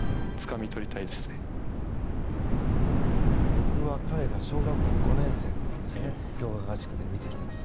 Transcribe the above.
僕は彼が小学校５年生の時に合宿で見てきています。